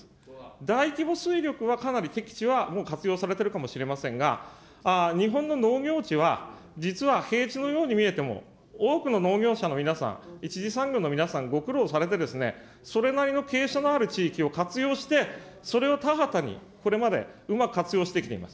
大規模水力はかなりへき地は活用されているかもしれませんが、日本の農業地は、実は平地のように見えても、多くの農業者の皆さん、一次産業の皆さん、ご苦労されて、それなりに傾斜のある地域を活用して、それを田畑にこれまでうまく活用してきています。